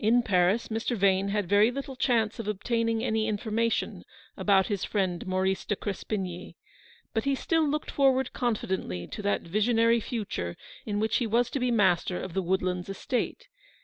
In Paris, Mr. Vane had very little chance of obtaining any information about his friend Mau rice de Crespigny, but he still looked forward con fidently to that visionary future in which he was to be master of the Woodlands estate.